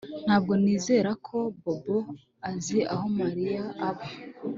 Ntabwo nizera ko Bobo azi aho Mariya aba